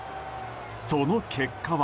その結果は。